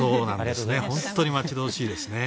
本当に待ち遠しいですね。